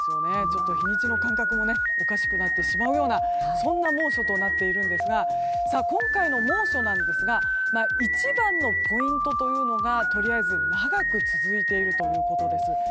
ちょっと日にちの感覚もおかしくなってしまうような猛暑となっていますが今回の猛暑なんですが一番のポイントというのがとりあえず長く続いているということです。